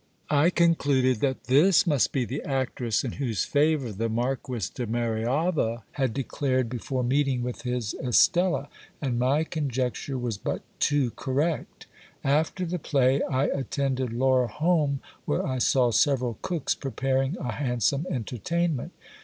I concluded that this must be the actress in whose favour the Marquis de Marialva had declared be fore meeting with his Estella ; and my conjecture was but too correct. After the play I attended Laura home, where I saw several cooks preparing a hand some entertainment.